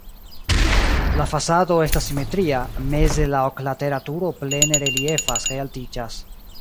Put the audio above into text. La fasado estas simetria, meze la oklatera turo plene reliefas kaj altiĝas.